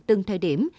từng thời điểm